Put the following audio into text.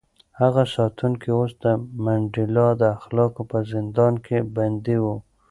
هغه ساتونکی اوس د منډېلا د اخلاقو په زندان کې بندي و.